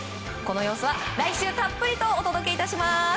この様子は来週たっぷりとお届け致します。